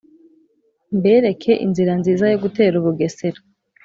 mbereke inzira nziza yo gutera u bugesera.